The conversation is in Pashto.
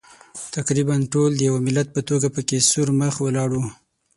تقریباً ټول د یوه ملت په توګه پکې سور مخ ولاړ وو.